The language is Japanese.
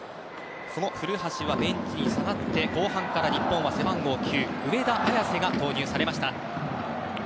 その古橋はベンチに下がって後半から日本は、背番号９上田綺世が投入されました。